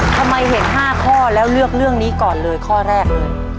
ทำไมเห็น๕ข้อแล้วเลือกเรื่องนี้ก่อนเลยข้อแรกเลย